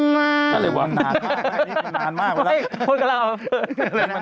มันเวลานานแล้ว